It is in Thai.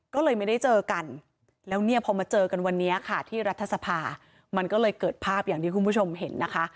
ก็เลยไม่ได้เจอกันแล้วเนี่ยพอมาเจอกันวันนี้ค่ะที่รัฐสภามันก็เลยเกิดภาพอย่างที่คุณผู้ชมเห็นนะคะ